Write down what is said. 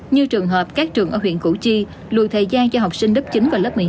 như trường hợp các trường ở huyện củ chi lùi thời gian cho học sinh lớp chín và lớp một mươi hai